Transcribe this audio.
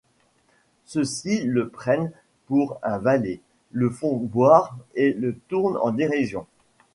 Ceux-ci le prennent pour un valet, le font boire et le tournent en dérision.